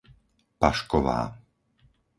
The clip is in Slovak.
Pašková